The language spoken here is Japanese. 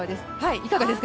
いかがですか？